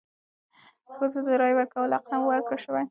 ښځو ته د رایې ورکولو حق نه و ورکړل شوی.